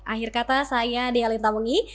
akhir kata saya dialita bantan